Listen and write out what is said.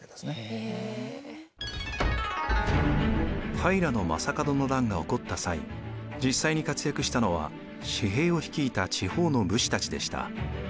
平将門の乱が起こった際実際に活躍したのは私兵を率いた地方の武士たちでした。